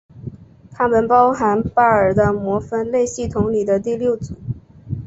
它们包含巴尔的摩分类系统里的第六组。